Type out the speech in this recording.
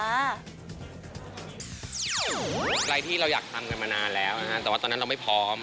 อะไรที่เราอยากทำกันมานานแล้วนะฮะแต่ว่าตอนนั้นเราไม่พร้อม